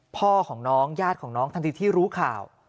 พ่อของน้องญาติของน้องทันทีที่รู้ข่าว